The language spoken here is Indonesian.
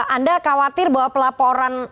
anda khawatir bahwa pelaporan